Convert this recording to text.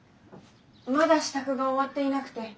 まだ支度が終わっていなくて。